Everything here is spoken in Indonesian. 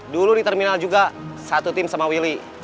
dulu di terminal juga satu tim sama willy